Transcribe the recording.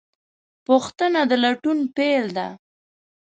پوښتنه د لټون پیل ده.